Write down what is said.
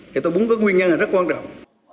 thì tôi muốn có nguyên nhân là rất quan trọng